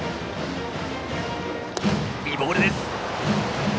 いいボールです。